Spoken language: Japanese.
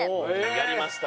やりました。